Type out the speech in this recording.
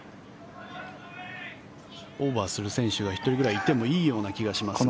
オーバーする選手が１人ぐらいいてもいいような気がしますが。